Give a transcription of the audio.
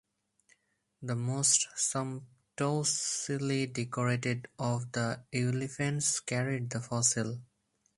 The most sumptuously decorated of the elephants carried the fossil.